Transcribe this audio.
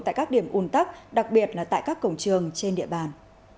tại các điểm ùn tắc đặc biệt là tại các cổng trường trên địa bàn